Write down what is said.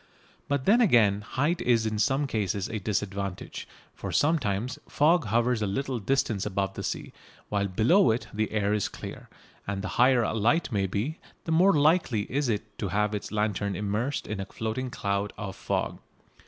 But then again height is in some cases a disadvantage, for sometimes fog hovers a little distance above the sea, while below it the air is clear, and the higher a light may be the more likely is it to have its lantern immersed in a floating cloud of fog.